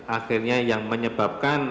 akhirnya yang menyebabkan